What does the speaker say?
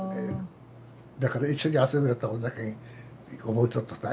だから一緒に遊びよったもんだけん覚えとっとたい。